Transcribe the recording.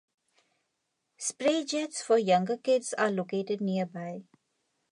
Spray jets for younger kids are located nearby.